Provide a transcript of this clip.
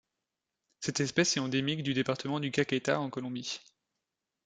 Cette espèce est endémique du département du Caquetá en Colombie.